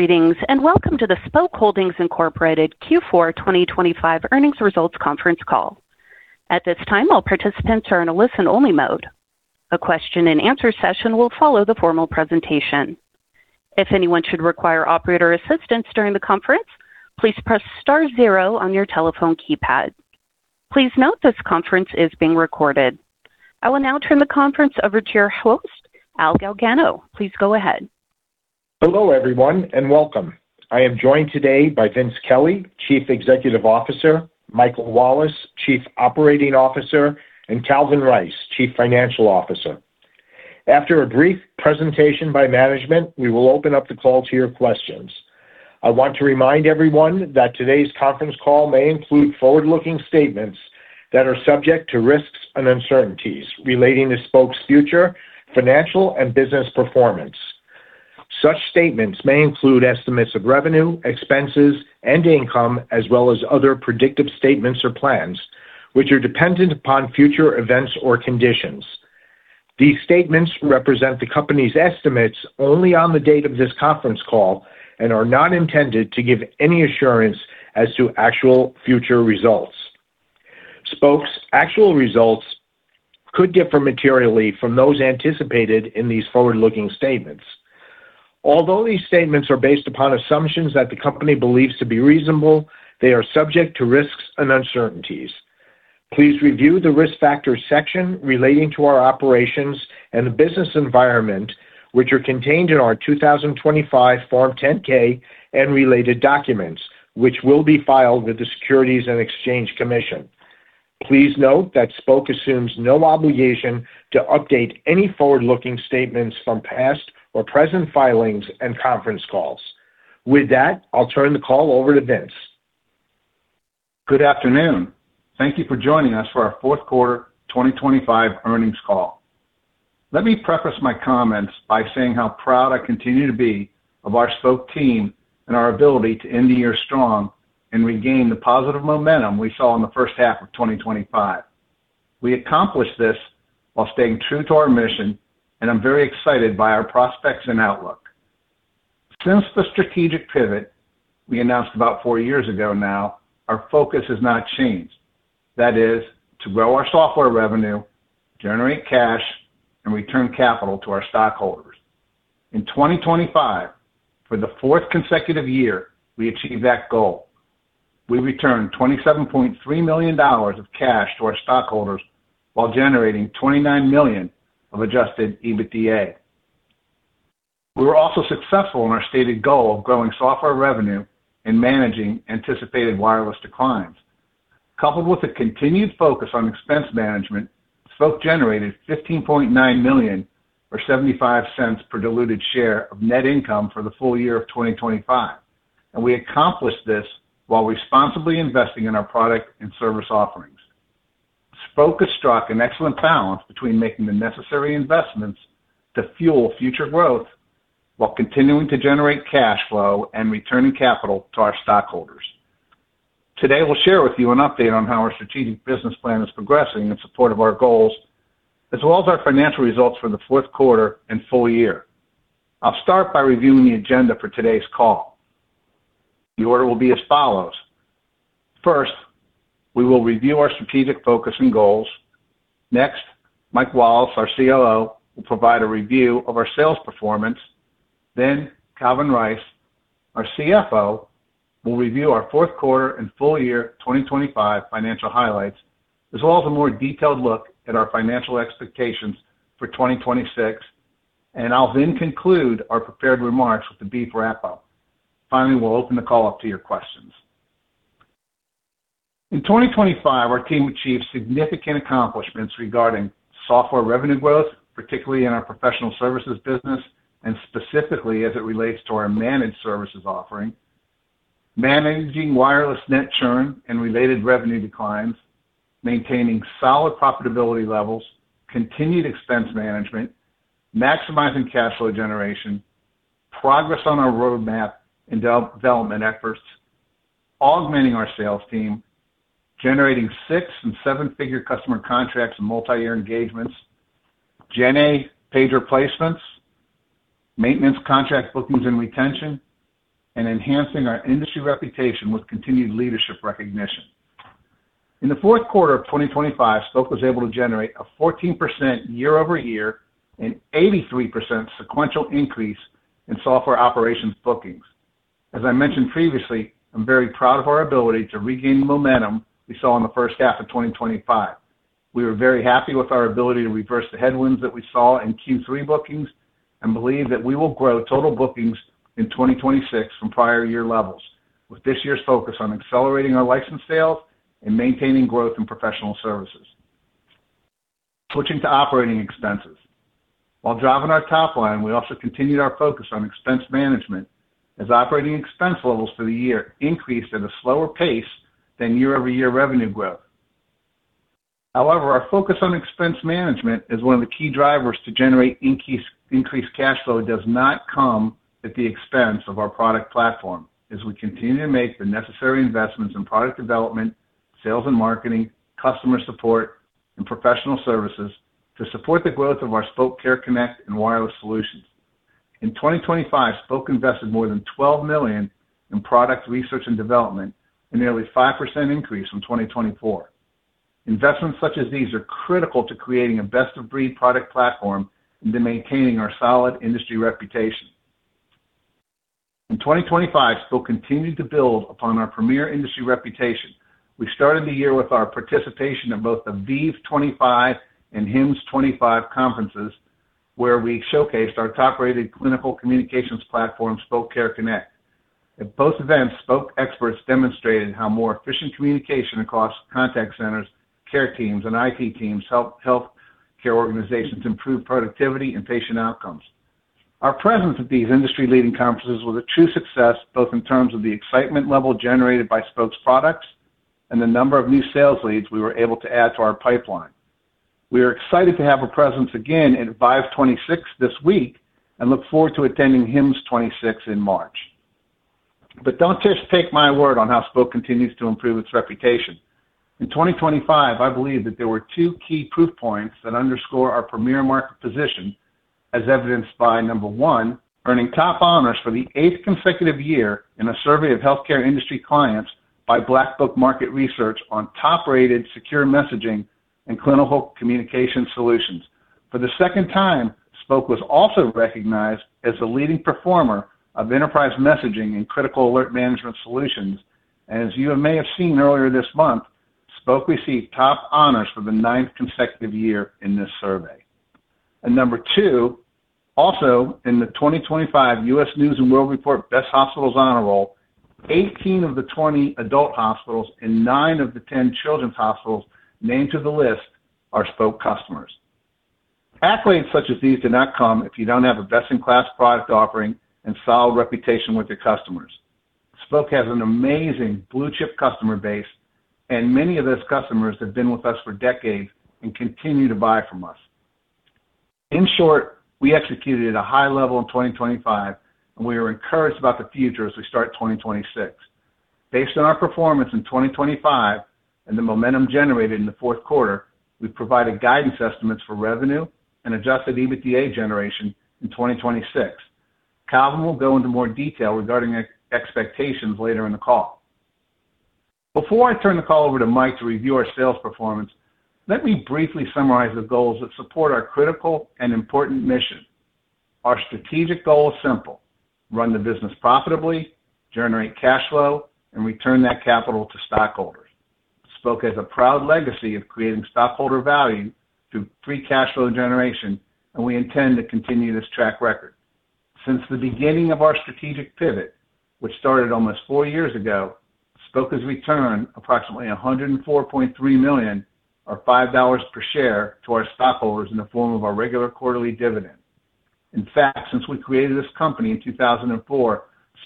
Greetings, welcome to the Spok Holdings, Inc. Q4 2025 earnings results conference call. At this time, all participants are in a listen-only mode. A question and answer session will follow the formal presentation. If anyone should require operator assistance during the conference, please press star zero on your telephone keypad. Please note, this conference is being recorded. I will now turn the conference over to your host, Al Galgano. Please go ahead. Hello, everyone, and welcome. I am joined today by Vince Kelly, Chief Executive Officer, Mike Wallace, Chief Operating Officer, and Calvin Rice, Chief Financial Officer. After a brief presentation by management, we will open up the call to your questions. I want to remind everyone that today's conference call may include forward-looking statements that are subject to risks and uncertainties relating to Spok's future, financial, and business performance. Such statements may include estimates of revenue, expenses, and income, as well as other predictive statements or plans, which are dependent upon future events or conditions. These statements represent the company's estimates only on the date of this conference call and are not intended to give any assurance as to actual future results. Spok's actual results could differ materially from those anticipated in these forward-looking statements. Although these statements are based upon assumptions that the company believes to be reasonable, they are subject to risks and uncertainties. Please review the Risk Factors section relating to our operations and the business environment, which are contained in our 2025 Form 10-K and related documents, which will be filed with the Securities and Exchange Commission. Please note that Spok assumes no obligation to update any forward-looking statements from past or present filings and conference calls. With that, I'll turn the call over to Vince. Good afternoon. Thank you for joining us for our 4th quarter 2025 earnings call. Let me preface my comments by saying how proud I continue to be of our Spok team and our ability to end the year strong and regain the positive momentum we saw in the first half of 2025. We accomplished this while staying true to our mission, and I'm very excited by our prospects and outlook. Since the strategic pivot we announced about four years ago now, our focus has not changed. That is, to grow our software revenue, generate cash, and return capital to our stockholders. In 2025, for the 4th consecutive year, we achieved that goal. We returned $27.3 million of cash to our stockholders while generating $29 million of adjusted EBITDA. We were also successful in our stated goal of growing software revenue and managing anticipated wireless declines. Coupled with a continued focus on expense management, Spok generated $15.9 million, or $0.75 per diluted share of net income for the full year of 2025, and we accomplished this while responsibly investing in our product and service offerings. Spok has struck an excellent balance between making the necessary investments to fuel future growth while continuing to generate cash flow and returning capital to our stockholders. Today, we'll share with you an update on how our strategic business plan is progressing in support of our goals, as well as our financial results for the fourth quarter and full year. I'll start by reviewing the agenda for today's call. The order will be as follows: First, we will review our strategic focus and goals. Mike Wallace, our COO, will provide a review of our sales performance. Calvin Rice, our CFO, will review our fourth quarter and full year 2025 financial highlights, as well as a more detailed look at our financial expectations for 2026, and I'll then conclude our prepared remarks with the brief wrap-up. We'll open the call up to your questions. In 2025, our team achieved significant accomplishments regarding software revenue growth, particularly in our professional services business, and specifically as it relates to our managed services offering, managing wireless net churn and related revenue declines, maintaining solid profitability levels, continued expense management, maximizing cash flow generation, progress on our roadmap and development efforts, augmenting our sales team, generating six and seven-figure customer contracts and multiyear engagements, GenA pager replacements, maintenance contract bookings and retention, and enhancing our industry reputation with continued leadership recognition. In the fourth quarter of 2025, Spok was able to generate a 14% year-over-year and 83% sequential increase in software operations bookings. As I mentioned previously, I'm very proud of our ability to regain the momentum we saw in the first half of 2025. We were very happy with our ability to reverse the headwinds that we saw in Q3 bookings and believe that we will grow total bookings in 2026 from prior year levels, with this year's focus on accelerating our license sales and maintaining growth in professional services. Switching to operating expenses. While driving our top line, we also continued our focus on expense management, as operating expense levels for the year increased at a slower pace than year-over-year revenue growth. Our focus on expense management is one of the key drivers to generate increased cash flow does not come at the expense of our product platform, as we continue to make the necessary investments in product development, sales and marketing, customer support, and professional services to support the growth of our Spok Care Connect and wireless solutions. In 2025, Spok invested more than $12 million in product research and development, a nearly 5% increase from 2024. Investments such as these are critical to creating a best-of-breed product platform and to maintaining our solid industry reputation. In 2025, Spok continued to build upon our premier industry reputation. We started the year with our participation in both the ViVE 25 and HIMSS25 conferences, where we showcased our top-rated clinical communications platform, Spok Care Connect. At both events, Spok experts demonstrated how more efficient communication across contact centers, care teams, and IT teams help healthcare organizations improve productivity and patient outcomes. Our presence at these industry-leading conferences was a true success, both in terms of the excitement level generated by Spok's products and the number of new sales leads we were able to add to our pipeline. We are excited to have a presence again at ViVE 26 this week and look forward to attending HIMSS26 in March. Don't just take my word on how Spok continues to improve its reputation. In 2025, I believe that there were two key proof points that underscore our premier market position, as evidenced by, number one, earning top honors for the 8th consecutive year in a survey of healthcare industry clients by Black Book Market Research on top-rated secure messaging and clinical communication solutions. For the second time, Spok was also recognized as the leading performer of enterprise messaging and critical alert management solutions. As you may have seen earlier this month, Spok received top honors for the ninth consecutive year in this survey. Number two, also in the 2025 U.S. News & World Report Best Hospitals Honor Roll, 18 of the 20 adult hospitals and nine of the 10 children's hospitals named to the list are Spok customers. Accolades such as these do not come if you don't have a best-in-class product offering and solid reputation with your customers. Spok has an amazing blue-chip customer base. Many of those customers have been with us for decades and continue to buy from us. In short, we executed at a high level in 2025. We are encouraged about the future as we start 2026. Based on our performance in 2025 and the momentum generated in the fourth quarter, we've provided guidance estimates for revenue and adjusted EBITDA generation in 2026. Calvin will go into more detail regarding expectations later in the call. Before I turn the call over to Mike to review our sales performance, let me briefly summarize the goals that support our critical and important mission. Our strategic goal is simple: run the business profitably, generate cash flow, and return that capital to stockholders. Spok has a proud legacy of creating stockholder value through free cash flow generation, and we intend to continue this track record. Since the beginning of our strategic pivot, which started almost four years ago, Spok has returned approximately $104.3 million, or $5 per share, to our stockholders in the form of our regular quarterly dividend. In fact, since we created this company in 2004,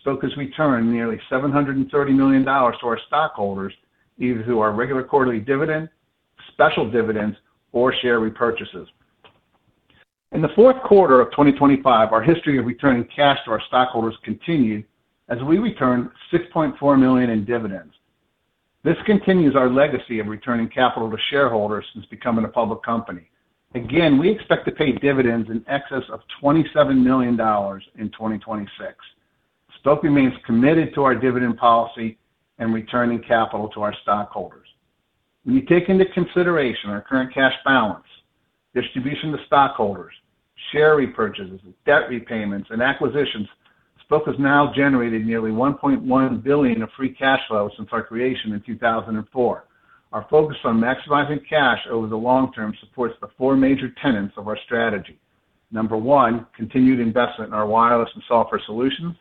Spok has returned nearly $730 million to our stockholders, either through our regular quarterly dividend, special dividends, or share repurchases. In the fourth quarter of 2025, our history of returning cash to our stockholders continued as we returned $6.4 million in dividends. This continues our legacy of returning capital to shareholders since becoming a public company. We expect to pay dividends in excess of $27 million in 2026. Spok remains committed to our dividend policy and returning capital to our stockholders. When you take into consideration our current cash balance, distribution to stockholders, share repurchases, debt repayments, and acquisitions, Spok has now generated nearly $1.1 billion of free cash flow since our creation in 2004. Our focus on maximizing cash over the long term supports the four major tenets of our strategy. Number one, continued investment in our wireless and software solutions.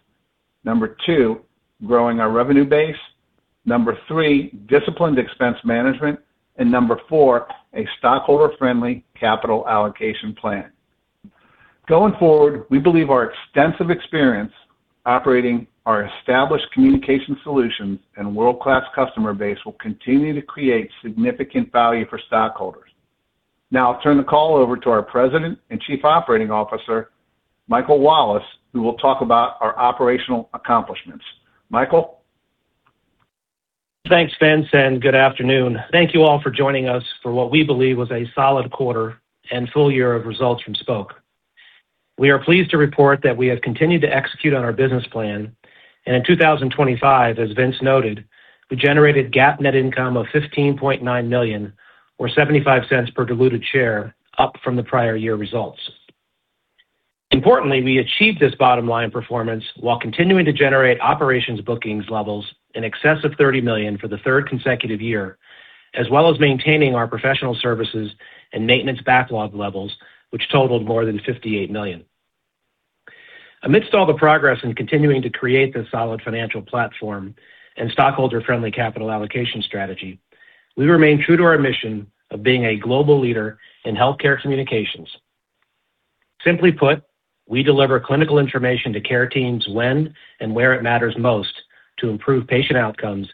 Number two, growing our revenue base. Number three, disciplined expense management. Number four, a stockholder-friendly capital allocation plan. Going forward, we believe our extensive experience operating our established communication solutions and world-class customer base will continue to create significant value for stockholders. Now I'll turn the call over to our President and Chief Operating Officer, Michael Wallace, who will talk about our operational accomplishments. Michael? Thanks, Vince. Good afternoon. Thank you all for joining us for what we believe was a solid quarter and full year of results from Spok. We are pleased to report that we have continued to execute on our business plan, and in 2025, as Vince noted, we generated GAAP net income of $15.9 million, or $0.75 per diluted share, up from the prior year results. Importantly, we achieved this bottom line performance while continuing to generate operations bookings levels in excess of $30 million for the third consecutive year, as well as maintaining our professional services and maintenance backlog levels, which totaled more than $58 million. Amidst all the progress in continuing to create this solid financial platform and stockholder-friendly capital allocation strategy, we remain true to our mission of being a global leader in healthcare communications. Simply put, we deliver clinical information to care teams when and where it matters most to improve patient outcomes,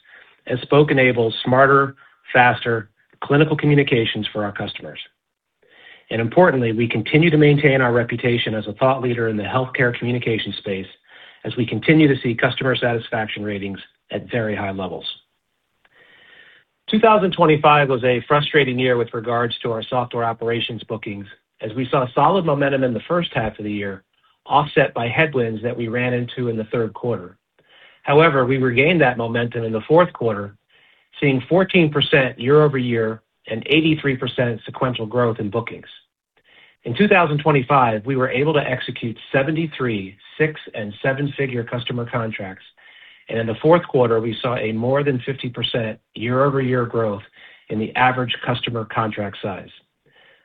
as Spok enables smarter, faster clinical communications for our customers. Importantly, we continue to maintain our reputation as a thought leader in the healthcare communication space, as we continue to see customer satisfaction ratings at very high levels. 2025 was a frustrating year with regards to our software operations bookings, as we saw solid momentum in the first half of the year, offset by headwinds that we ran into in the third quarter. However, we regained that momentum in the fourth quarter, seeing 14% year-over-year and 83% sequential growth in bookings. In 2025, we were able to execute 73, six- and seven-figure customer contracts. In the fourth quarter, we saw a more than 50% year-over-year growth in the average customer contract size.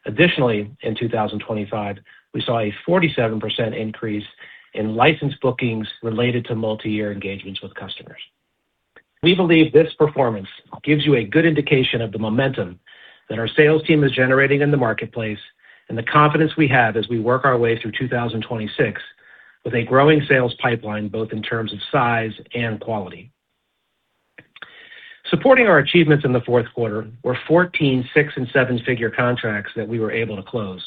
Additionally, in 2025, we saw a 47% increase in licensed bookings related to multiyear engagements with customers. We believe this performance gives you a good indication of the momentum that our sales team is generating in the marketplace, and the confidence we have as we work our way through 2026, with a growing sales pipeline, both in terms of size and quality. Supporting our achievements in the fourth quarter were 14, six- and seven-figure contracts that we were able to close.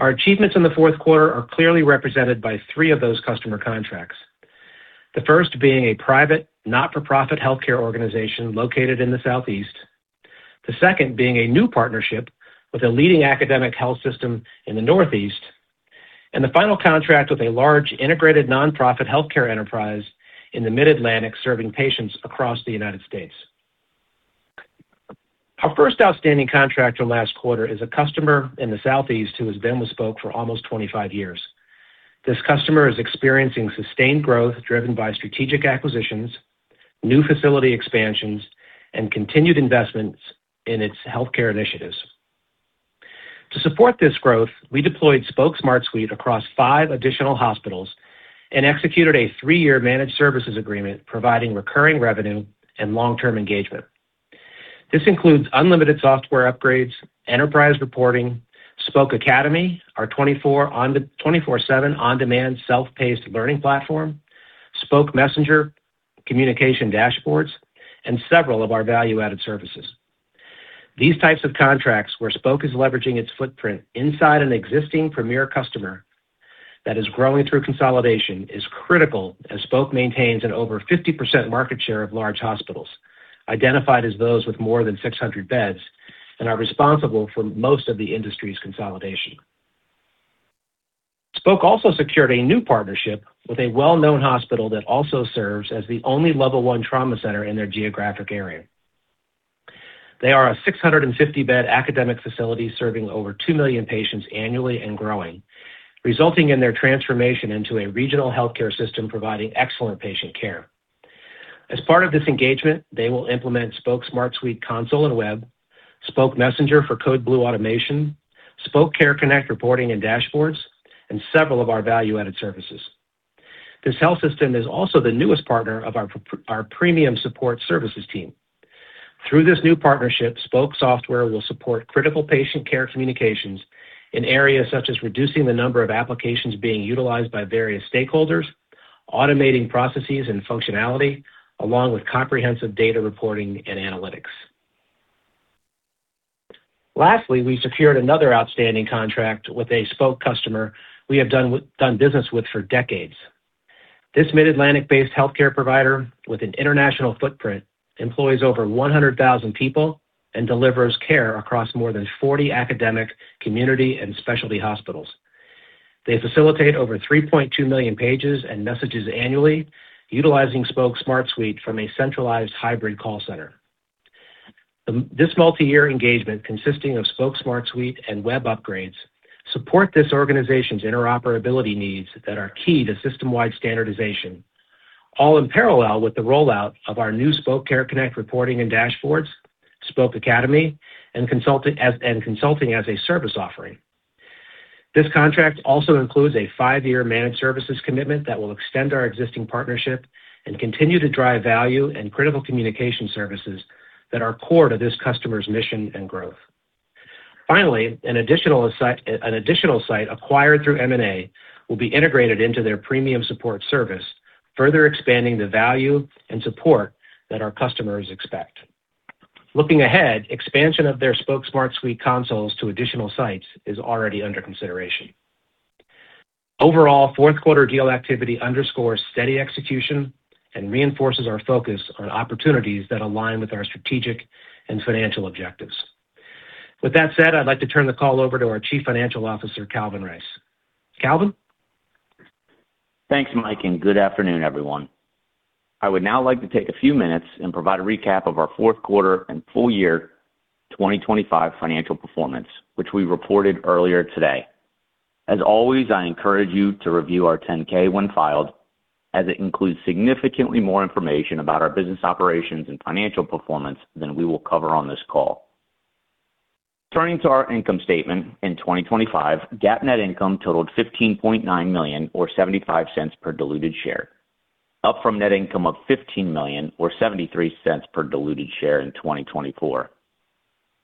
Our achievements in the fourth quarter are clearly represented by three of those customer contracts. The first being a private, not-for-profit healthcare organization located in the Southeast. The second being a new partnership with a leading academic health system in the Northeast. The final contract with a large, integrated, nonprofit healthcare enterprise in the Mid-Atlantic, serving patients across the United States. Our first outstanding contract from last quarter is a customer in the Southeast who has been with Spok for almost 25 years. This customer is experiencing sustained growth driven by strategic acquisitions, new facility expansions, and continued investments in its healthcare initiatives. To support this growth, we deployed Spok Smart Suite across five additional hospitals and executed a three-year managed services agreement, providing recurring revenue and long-term engagement. This includes unlimited software upgrades, enterprise reporting, Spok Academy, our 24/7 on-demand self-paced learning platform, Spok Messenger, communication dashboards, and several of our value-added services. These types of contracts, where Spok is leveraging its footprint inside an existing premier customer that is growing through consolidation, is critical, as Spok maintains an over 50% market share of large hospitals, identified as those with more than 600 beds, and are responsible for most of the industry's consolidation. Spok also secured a new partnership with a well-known hospital that also serves as the only Level I Trauma Center in their geographic area. They are a 650-bed academic facility, serving over two million patients annually and growing, resulting in their transformation into a regional healthcare system providing excellent patient care. As part of this engagement, they will implement Spok Smart Suite Console and Web, Spok Messenger for Code Blue Automation, Spok Care Connect Reporting and Dashboards, and several of our value-added services. This health system is also the newest partner of our Premium Support Services team. Through this new partnership, Spok Software will support critical patient care communications in areas such as reducing the number of applications being utilized by various stakeholders, automating processes and functionality, along with comprehensive data reporting and analytics. Lastly, we secured another outstanding contract with a Spok customer we have done business with for decades. This Mid-Atlantic-based healthcare provider, with an international footprint, employs over 100,000 people and delivers care across more than 40 academic, community, and specialty hospitals. They facilitate over 3.2 million pages and messages annually, utilizing Spok Smart Suite from a centralized hybrid call center. This multiyear engagement, consisting of Spok Smart Suite and web upgrades, support this organization's interoperability needs that are key to system-wide standardization, all in parallel with the rollout of our new Spok Care Connect Reporting and Dashboards, Spok Academy, and Consulting as a Service offering. This contract also includes a five-year managed services commitment that will extend our existing partnership and continue to drive value and critical communication services that are core to this customer's mission and growth. Finally, an additional site acquired through M&A will be integrated into their Premium Support Services, further expanding the value and support that our customers expect. Looking ahead, expansion of their Spok Smart Suite consoles to additional sites is already under consideration. Overall, fourth quarter deal activity underscores steady execution and reinforces our focus on opportunities that align with our strategic and financial objectives. With that said, I'd like to turn the call over to our Chief Financial Officer, Calvin Rice. Calvin? Thanks, Mike. Good afternoon, everyone. I would now like to take a few minutes and provide a recap of our fourth quarter and full year 2025 financial performance, which we reported earlier today. As always, I encourage you to review our 10-K when filed, as it includes significantly more information about our business operations and financial performance than we will cover on this call. Turning to our income statement, in 2025, GAAP net income totaled $15.9 million, or $0.75 per diluted share, up from net income of $15 million or $0.73 per diluted share in 2024.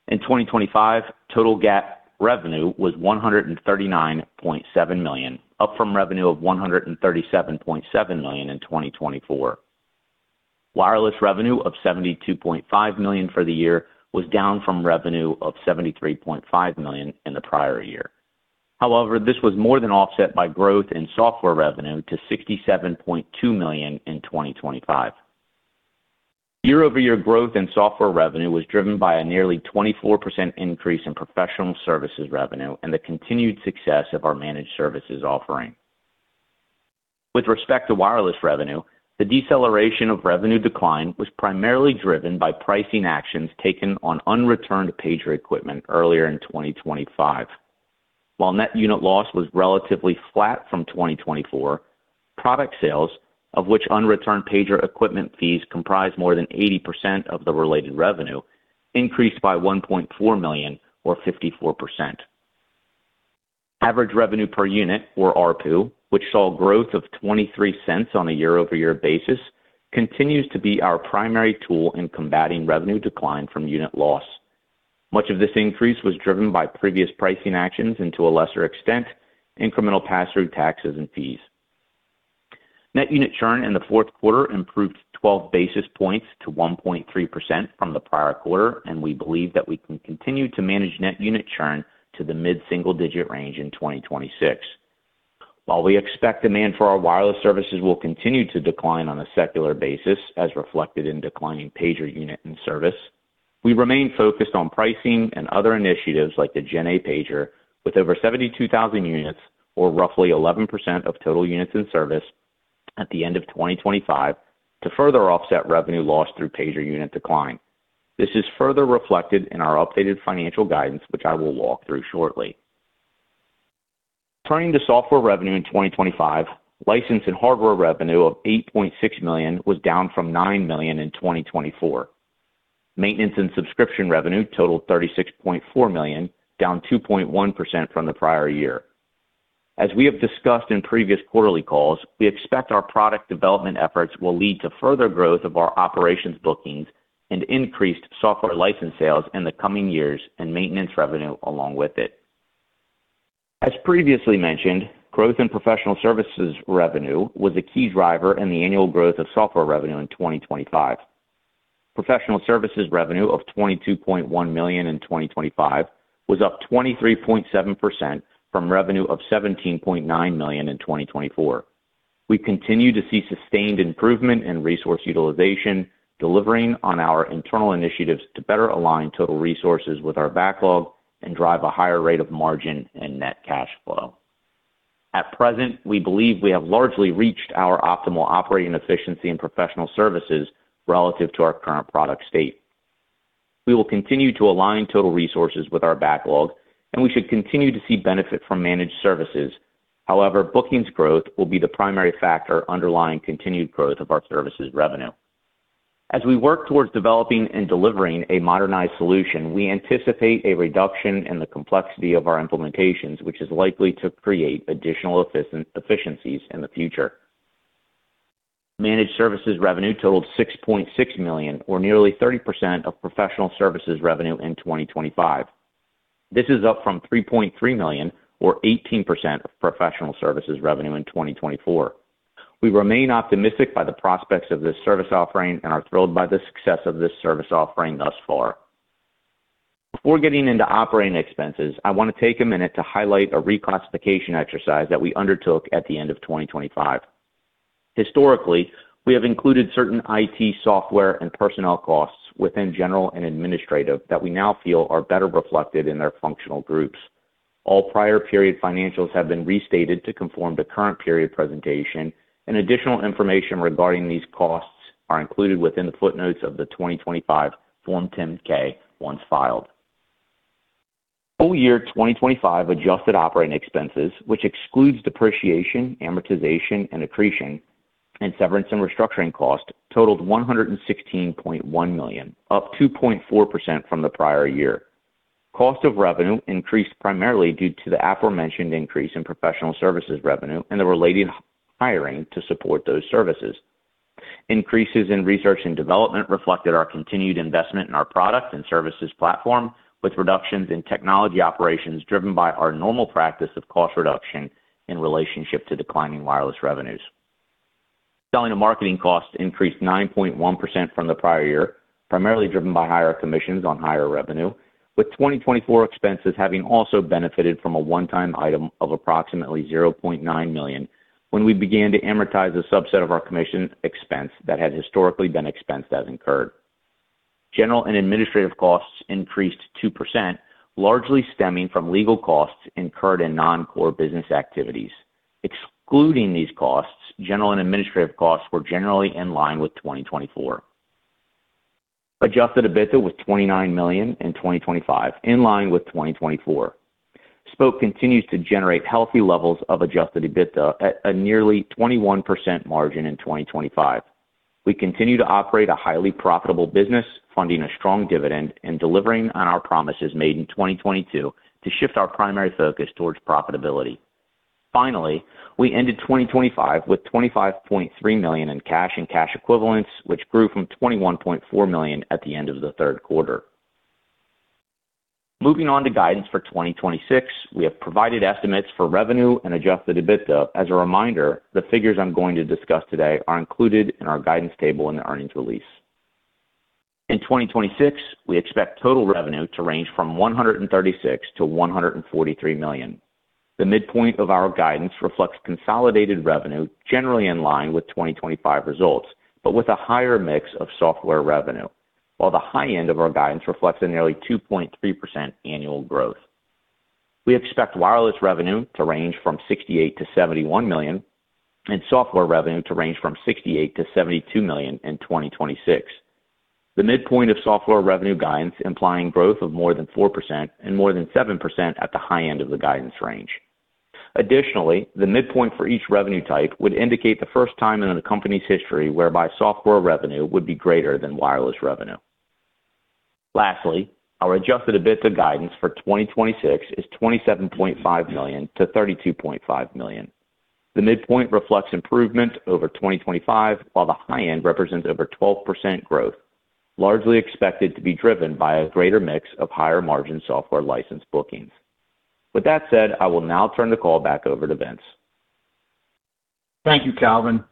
In 2025, total GAAP revenue was $139.7 million, up from revenue of $137.7 million in 2024. Wireless revenue of $72.5 million for the year was down from revenue of $73.5 million in the prior year. This was more than offset by growth in software revenue to $67.2 million in 2025. Year-over-year growth in software revenue was driven by a nearly 24% increase in professional services revenue and the continued success of our managed services offering. With respect to wireless revenue, the deceleration of revenue decline was primarily driven by pricing actions taken on unreturned pager equipment earlier in 2025. While net unit loss was relatively flat from 2024, product sales, of which unreturned pager equipment fees comprised more than 80% of the related revenue, increased by $1.4 million, or 54%. Average revenue per unit, or ARPU, which saw growth of $0.23 on a year-over-year basis, continues to be our primary tool in combating revenue decline from unit loss. Much of this increase was driven by previous pricing actions and, to a lesser extent, incremental pass-through taxes and fees. Net unit churn in the fourth quarter improved 12 basis points to 1.3% from the prior quarter, and we believe that we can continue to manage net unit churn to the mid-single-digit range in 2026. While we expect demand for our wireless services will continue to decline on a secular basis, as reflected in declining pager unit and service, we remain focused on pricing and other initiatives like the GenA pager, with over 72,000 units, or roughly 11% of total units in service at the end of 2025, to further offset revenue loss through pager unit decline. This is further reflected in our updated financial guidance, which I will walk through shortly. Turning to software revenue in 2025, license and hardware revenue of $8.6 million was down from $9 million in 2024. Maintenance and subscription revenue totaled $36.4 million, down 2.1% from the prior year. As we have discussed in previous quarterly calls, we expect our product development efforts will lead to further growth of our operations bookings and increased software license sales in the coming years and maintenance revenue along with it. As previously mentioned, growth in professional services revenue was a key driver in the annual growth of software revenue in 2025. Professional services revenue of $22.1 million in 2025 was up 23.7% from revenue of $17.9 million in 2024. We continue to see sustained improvement in resource utilization, delivering on our internal initiatives to better align total resources with our backlog and drive a higher rate of margin and net cash flow. At present, we believe we have largely reached our optimal operating efficiency in professional services relative to our current product state. We will continue to align total resources with our backlog, and we should continue to see benefit from managed services. However, bookings growth will be the primary factor underlying continued growth of our services revenue. As we work towards developing and delivering a modernized solution, we anticipate a reduction in the complexity of our implementations, which is likely to create additional efficiencies in the future. Managed services revenue totaled $6.6 million, or nearly 30% of professional services revenue in 2025. This is up from $3.3 million, or 18% of professional services revenue in 2024. We remain optimistic by the prospects of this service offering and are thrilled by the success of this service offering thus far. Before getting into operating expenses, I want to take a minute to highlight a reclassification exercise that we undertook at the end of 2025. Historically, we have included certain IT software and personnel costs within general and administrative that we now feel are better reflected in their functional groups. All prior period financials have been restated to conform to current period presentation, and additional information regarding these costs are included within the footnotes of the 2025 Form 10-K, once filed. Full year 2025 adjusted operating expenses, which excludes depreciation, amortization, and accretion and severance and restructuring costs, totaled $116.1 million, up 2.4% from the prior year. Cost of revenue increased primarily due to the aforementioned increase in professional services revenue and the related hiring to support those services. Increases in research and development reflected our continued investment in our product and services platform, with reductions in technology operations driven by our normal practice of cost reduction in relationship to declining wireless revenues. Selling and marketing costs increased 9.1% from the prior year, primarily driven by higher commissions on higher revenue, with 2024 expenses having also benefited from a one-time item of approximately $0.9 million when we began to amortize a subset of our commission expense that had historically been expensed as incurred. General and administrative costs increased 2%, largely stemming from legal costs incurred in non-core business activities. Excluding these costs, general and administrative costs were generally in line with 2024. Adjusted EBITDA was $29 million in 2025, in line with 2024. Spok continues to generate healthy levels of adjusted EBITDA at a nearly 21% margin in 2025. We continue to operate a highly profitable business, funding a strong dividend and delivering on our promises made in 2022 to shift our primary focus towards profitability. Finally, we ended 2025 with $25.3 million in cash and cash equivalents, which grew from $21.4 million at the end of the third quarter. Moving on to guidance for 2026, we have provided estimates for revenue and adjusted EBITDA. As a reminder, the figures I'm going to discuss today are included in our guidance table in the earnings release. In 2026, we expect total revenue to range from $136 million-$143 million. The midpoint of our guidance reflects consolidated revenue generally in line with 2025 results, but with a higher mix of software revenue, while the high end of our guidance reflects a nearly 2.3% annual growth. We expect wireless revenue to range from $68 million-$71 million, and software revenue to range from $68 million-$72 million in 2026. The midpoint of software revenue guidance implying growth of more than 4% and more than 7% at the high end of the guidance range. The midpoint for each revenue type would indicate the first time in the company's history whereby software revenue would be greater than wireless revenue. Our adjusted EBITDA guidance for 2026 is $27.5 million-$32.5 million. The midpoint reflects improvement over 2025, while the high end represents over 12% growth, largely expected to be driven by a greater mix of higher-margin software license bookings. I will now turn the call back over to Vince. Thank you, Calvin.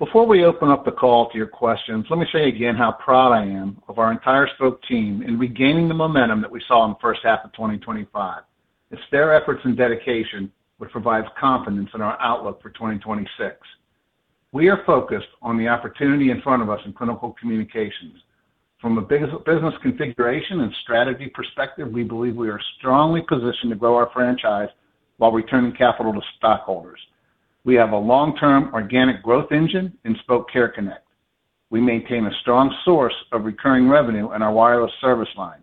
Before we open up the call to your questions, let me say again how proud I am of our entire Spok team in regaining the momentum that we saw in the first half of 2025. It's their efforts and dedication, which provides confidence in our outlook for 2026. We are focused on the opportunity in front of us in clinical communications. From a business configuration and strategy perspective, we believe we are strongly positioned to grow our franchise while returning capital to stockholders. We have a long-term organic growth engine in Spok Care Connect. We maintain a strong source of recurring revenue in our wireless service line.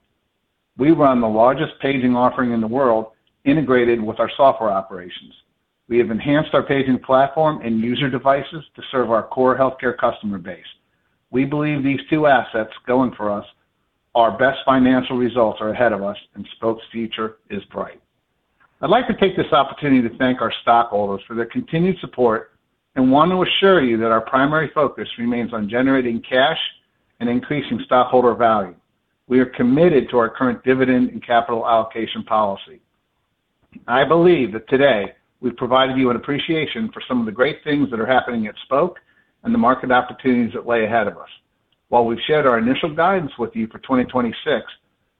We run the largest paging offering in the world, integrated with our software operations. We have enhanced our paging platform and user devices to serve our core healthcare customer base. We believe these two assets going for us, our best financial results are ahead of us, and Spok's future is bright. I'd like to take this opportunity to thank our stockholders for their continued support and want to assure you that our primary focus remains on generating cash and increasing stockholder value. We are committed to our current dividend and capital allocation policy. I believe that today we've provided you an appreciation for some of the great things that are happening at Spok and the market opportunities that lay ahead of us. While we've shared our initial guidance with you for 2026,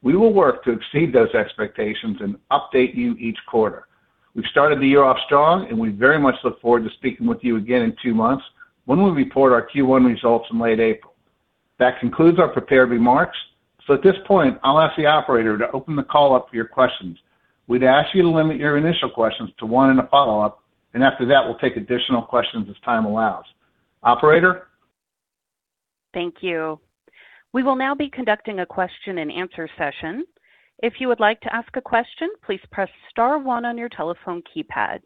we will work to exceed those expectations and update you each quarter. We've started the year off strong, and we very much look forward to speaking with you again in two months when we report our Q1 results in late April. That concludes our prepared remarks. At this point, I'll ask the operator to open the call up for your questions. We'd ask you to limit your initial questions to one in a follow-up, and after that, we'll take additional questions as time allows. Operator? Thank you. We will now be conducting a question-and-answer session. If you would like to ask a question, please press star one on your telephone keypad.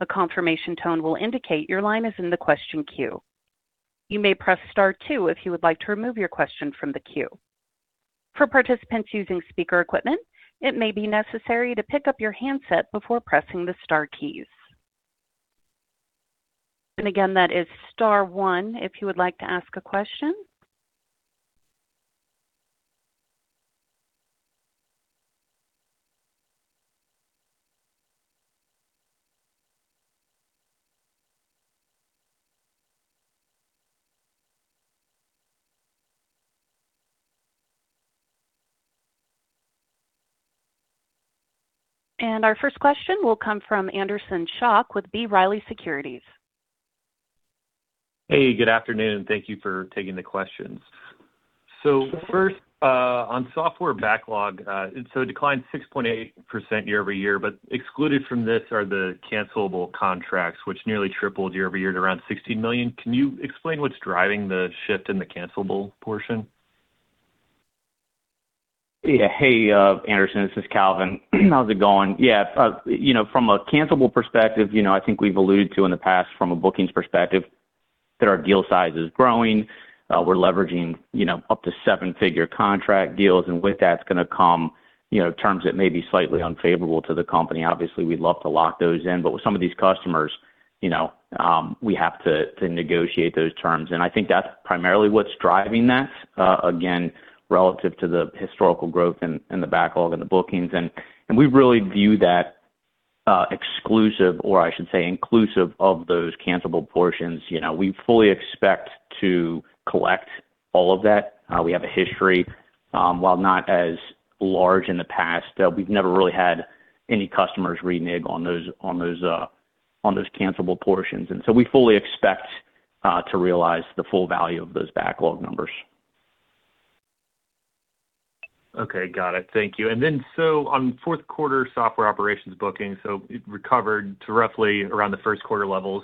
A confirmation tone will indicate your line is in the question queue. You may press Star two if you would like to remove your question from the queue. For participants using speaker equipment, it may be necessary to pick up your handset before pressing the star keys. Again, that is star one if you would like to ask a question. Our first question will come from Anderson Schock with B. Riley Securities. Hey, good afternoon, and thank you for taking the questions. First, on software backlog, it declined 6.8% year-over-year, but excluded from this are the cancelable contracts, which nearly tripled year-over-year to around $16 million. Can you explain what's driving the shift in the cancelable portion? Yeah. Hey, Anderson, this is Calvin. How's it going? Yeah, you know, from a cancelable perspective, you know, I think we've alluded to in the past from a bookings perspective, that our deal size is growing. We're leveraging, you know, up to seven-figure contract deals, and with that's gonna come, you know, terms that may be slightly unfavorable to the company. Obviously, we'd love to lock those in, but with some of these customers, you know, we have to negotiate those terms. I think that's primarily what's driving that, again, relative to the historical growth in the backlog and the bookings. We really view that, exclusive, or I should say, inclusive of those cancelable portions. You know, we fully expect to collect all of that. We have a history, while not as large in the past, we've never really had any customers renege on those cancelable portions, and so we fully expect to realize the full value of those backlog numbers. Okay. Got it. Thank you. On fourth quarter software operations bookings, so it recovered to roughly around the first quarter level.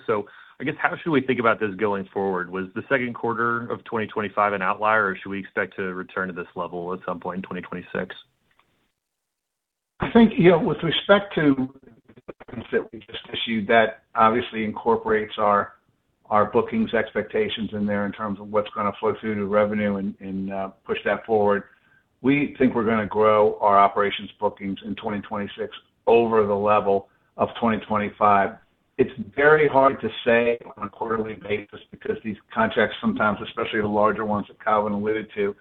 I guess, how should we think about this going forward? Was the second quarter of 2025 an outlier, or should we expect a return to this level at some point in 2026? I think, you know, with respect to the things that we just issued, that obviously incorporates our bookings expectations in there in terms of what's gonna flow through to revenue and push that forward. We think we're gonna grow our operations bookings in 2026 over the level of 2025. It's very hard to say on a quarterly basis because these contracts sometimes, especially the larger ones that Calvin alluded to.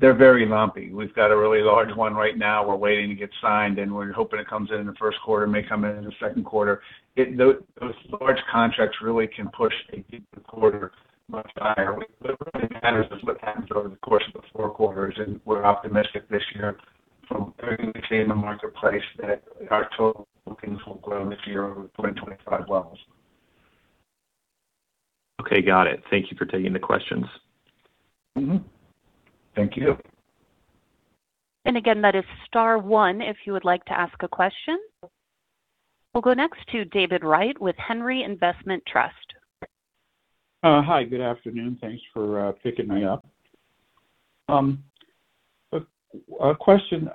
They're very lumpy. We've got a really large one right now. We're waiting to get signed, and we're hoping it comes in in the first quarter, may come in in the second quarter. Those large contracts really can push and keep the quarter much higher. What really matters is what happens over the course of the four quarters. We're optimistic this year from everything we see in the marketplace, that our total bookings will grow this year over 2025 levels. Okay, got it. Thank you for taking the questions. Thank you. Again, that is star one if you would like to ask a question. We'll go next to David Wright with Henry Investment Trust. Hi, good afternoon. Thanks for picking me up. A question,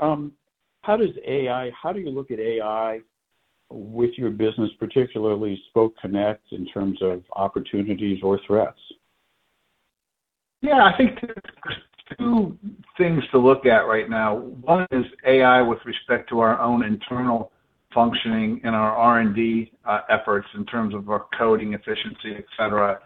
how do you look at AI with your business, particularly Spok Care Connect, in terms of opportunities or threats? Yeah, I think there's two things to look at right now. One is AI with respect to our own internal functioning and our R&D efforts in terms of our coding efficiency, et cetera,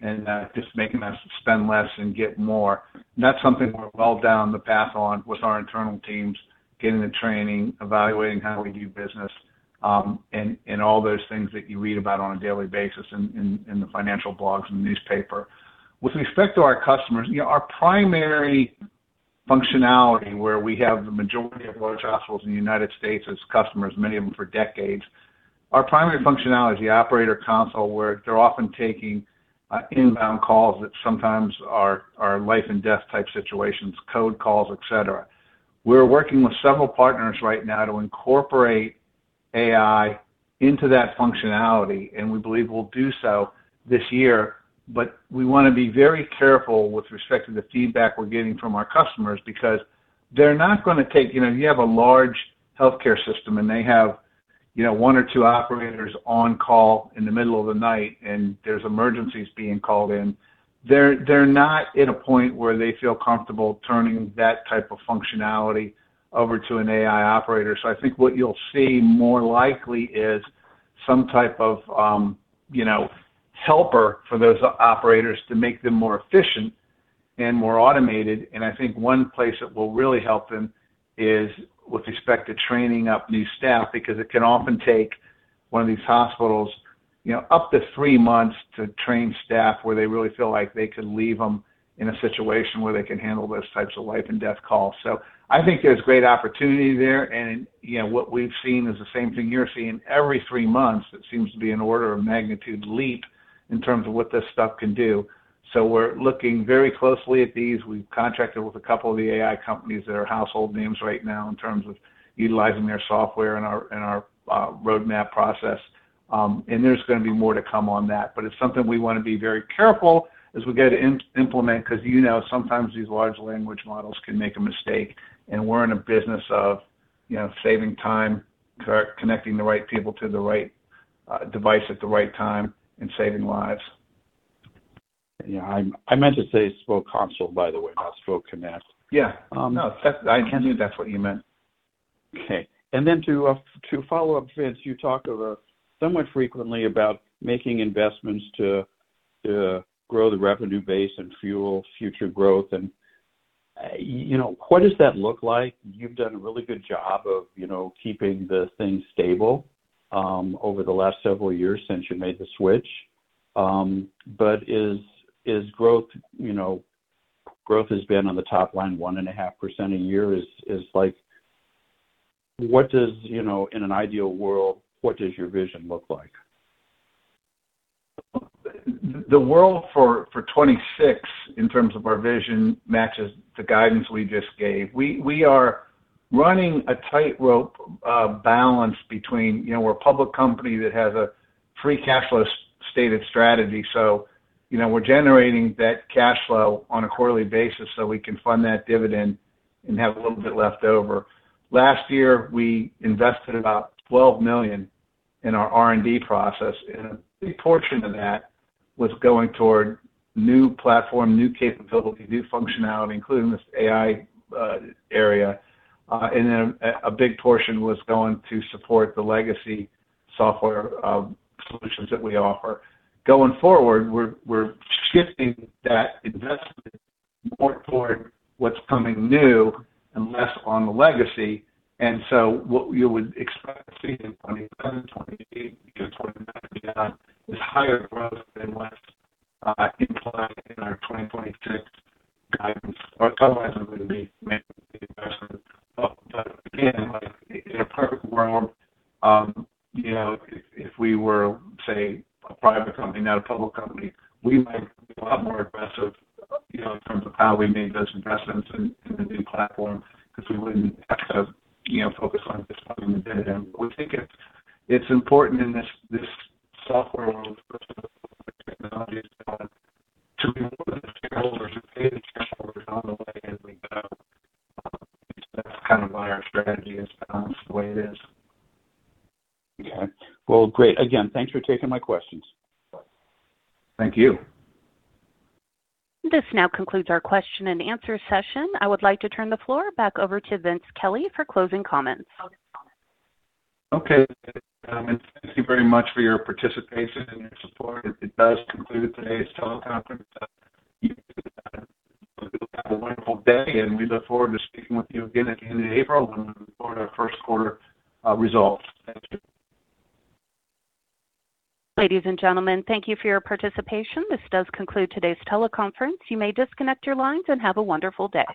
and just making us spend less and get more. That's something we're well down the path on with our internal teams, getting the training, evaluating how we do business, and all those things that you read about on a daily basis in the financial blogs and newspaper. With respect to our customers, you know, our primary functionality, where we have the majority of large hospitals in the United States as customers, many of them for decades, our primary functionality, operator console, where they're often taking inbound calls that sometimes are life and death type situations, code calls, et cetera. We're working with several partners right now to incorporate AI into that functionality, and we believe we'll do so this year. We wanna be very careful with respect to the feedback we're getting from our customers, because they're not gonna take. You know, you have a large healthcare system, and they have, you know, one or two operators on call in the middle of the night, and there's emergencies being called in. They're not at a point where they feel comfortable turning that type of functionality over to an AI operator. I think what you'll see more likely is some type of, you know, helper for those operators to make them more efficient and more automated. I think one place that will really help them is with respect to training up new staff, because it can often take one of these hospitals, you know, up to three months to train staff, where they really feel like they can leave them in a situation where they can handle those types of life and death calls. I think there's great opportunity there, and, you know, what we've seen is the same thing you're seeing. Every three months, it seems to be an order of magnitude leap in terms of what this stuff can do. We're looking very closely at these. We've contracted with a couple of the AI companies that are household names right now, in terms of utilizing their software in our, in our roadmap process. There's gonna be more to come on that, but it's something we wanna be very careful as we go to implement, because, you know, sometimes these large language models can make a mistake, and we're in a business of, you know, saving time, connecting the right people to the right device at the right time and saving lives. Yeah, I meant to say Spok Console, by the way, not Spok Connect. Yeah. Um- No, that's, I assumed that's what you meant. Okay. Then to follow up, Vince, you talked about somewhat frequently about making investments to grow the revenue base and fuel future growth, and, you know, what does that look like? You've done a really good job of, you know, keeping the thing stable, over the last several years since you made the switch. Is, is growth, you know, growth has been on the top line, 1.5% a year is like... What does, you know, in an ideal world, what does your vision look like? The world for 2026, in terms of our vision, matches the guidance we just gave. We are running a tightrope balance between, you know, we're a public company that has a free cash flow stated strategy. You know, we're generating that cash flow on a quarterly basis, so we can fund that dividend and have a little bit left over. Last year, we invested about $12 million in our R&D process, and a big portion of that was going toward new platform, new capability, new functionality, including this AI area. A big portion was going to support the legacy software solutions that we offer. Going forward, we're shifting that investment more toward what's coming new and less on the legacy. What you would expect to see in 27, 28, 29, is higher growth and less in line in our 2026 guidance or otherwise it wouldn't be making any investment. Again, like, in a perfect world, you know, if we were, say, a private company, not a public company, we might be a lot more aggressive, you know, in terms of how we made those investments in the new platform, because we wouldn't have to, you know, focus on just having the dividend. We think it's important in this software world of technology, to be more with the shareholders, to pay the shareholders on the way as we go. That's kind of why our strategy is balanced the way it is. Okay. Well, great. Again, thanks for taking my questions. Thank you. This now concludes our question-and-answer session. I would like to turn the floor back over to Vince Kelly for closing comments. Okay. Thank you very much for your participation and your support. It does conclude today's teleconference. You do have a wonderful day, and we look forward to speaking with you again at the end of April when we report our first quarter results. Thank you. Ladies and gentlemen, thank you for your participation. This does conclude today's teleconference. You may disconnect your lines and have a wonderful day.